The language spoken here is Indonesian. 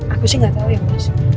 aku sih gak tau ya mas